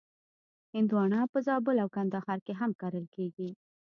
هندوانه په زابل او کندهار کې هم کرل کېږي.